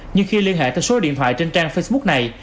nhưng khi liên hệ theo số điện thoại trên trang facebook này